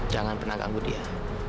jangan pernah ganggu dia